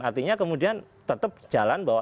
artinya kemudian tetap jalan bahwa